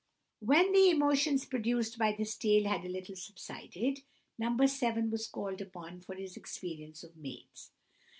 When the emotions produced by this tale had a little subsided, No. 7 was called upon for his experience of maids.